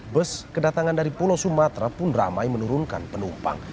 bus kedatangan dari pulau sumatera pun ramai menurunkan penumpang